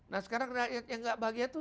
nah sekarang rakyat yang tidak bahagia itu